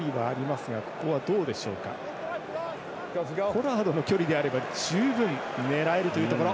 ポラードの距離であれば十分、狙えるというところ。